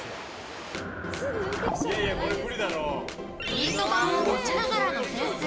ビート板を持ちながらの潜水。